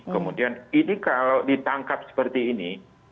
kemudian ini kalau ditangkap seperti ini